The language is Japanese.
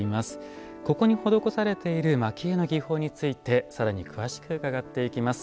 ここに施されている蒔絵の技法について更に詳しく伺っていきます。